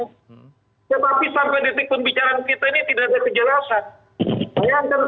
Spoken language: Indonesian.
tetapi sampai detik pembicaraan kita ini tidak ada kejelasan